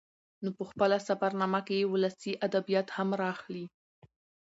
نو په خپله سفر نامه کې يې ولسي ادبيات هم راخلي